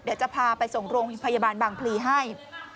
เดี๋ยวจะพาไปส่งโรงพยาบาลบางพลีให้